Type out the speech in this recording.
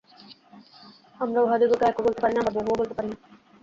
আমরা উহাদিগকে একও বলিতে পারি না, আবার বহুও বলিতে পারি না।